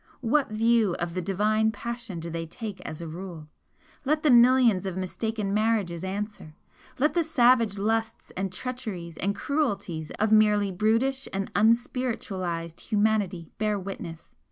What view of the divine passion do they take as a rule? Let the millions of mistaken marriages answer! Let the savage lusts and treacheries and cruelties of merely brutish and unspiritualised humanity bear witness?